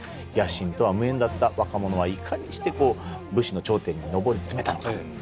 野心とは無縁だった若者はいかにしてこう武士の頂点に上り詰めたのか。